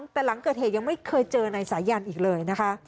แต่หลังเกิดเหตุยังไม่เคยเจอนายสายันอีกเลยนะคะ